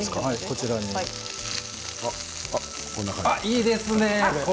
いいですね